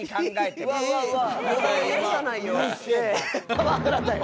パワハラだよ。